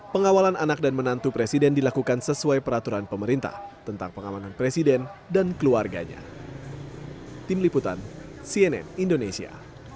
pengawalan anak dan menantu presiden dilakukan sesuai peraturan pemerintah tentang pengamanan presiden dan keluarganya